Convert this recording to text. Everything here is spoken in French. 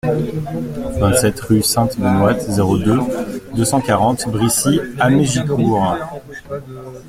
vingt-sept rue Sainte-Benoite, zéro deux, deux cent quarante Brissy-Hamégicourt